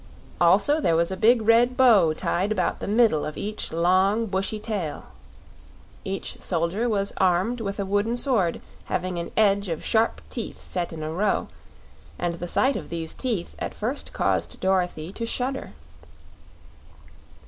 Also, there was a big red bow tied about the middle of each long, bushy tail. Each soldier was armed with a wooden sword having an edge of sharp teeth set in a row, and the sight of these teeth at first caused Dorothy to shudder.